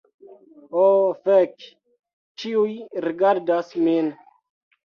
Oh fek, ĉiuj rigardas min